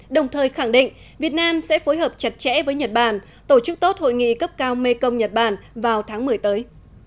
đồng thời khẳng định việt nam sẽ phối hợp chặt chẽ với nhật bản tổ chức tốt hội nghị cấp cao mekong nhật bản vào tháng một mươi tới